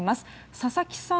佐々木さん